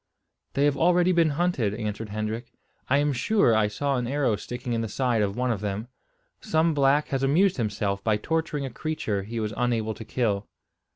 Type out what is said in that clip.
"They have already been hunted," answered Hendrik. "I am sure I saw an arrow sticking in the side of one of them. Some black has amused himself by torturing a creature he was unable to kill."